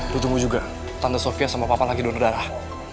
gue tunggu juga tante sofia sama papa lagi doner darah